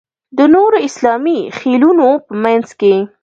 د نورو اسلامي خېلونو په منځ کې.